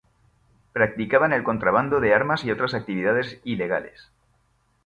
Practicaban el contrabando de armas y otras actividades ilegales.